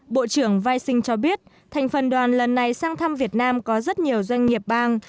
bộ trưởng viising cho biết thành phần đoàn lần này sang thăm việt nam có rất nhiều doanh nghiệp bang